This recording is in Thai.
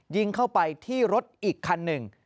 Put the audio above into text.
ยิงเข้าไปที่รถอีกคันหนึ่ง